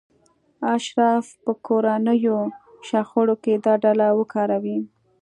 اشراف به کورنیو شخړو کې دا ډله وکاروي.